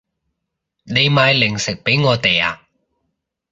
你買零食畀我哋啊